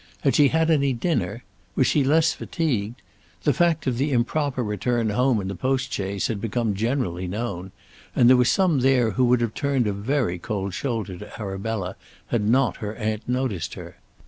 Had she had any dinner? Was she less fatigued? The fact of the improper return home in the postchaise had become generally known, and there were some there who would have turned a very cold shoulder to Arabella had not her aunt noticed her.